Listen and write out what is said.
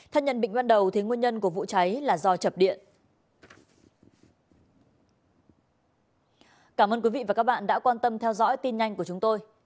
thân nhân bị nguyên đầu thì nguyên nhân của vụ cháy là do chập điện